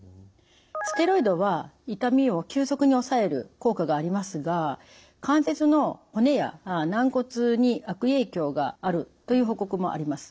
ステロイドは痛みを急速におさえる効果がありますが関節の骨や軟骨に悪影響があるという報告もあります。